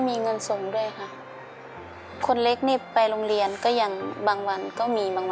พี่ภาพได้ยินแล้วเป็นอย่างไรบ้าง